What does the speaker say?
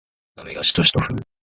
雨がしとしと降る